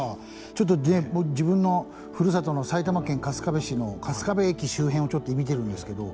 ちょっとね自分のふるさとの埼玉県春日部市の春日部駅周辺をちょっと見てるんですけど。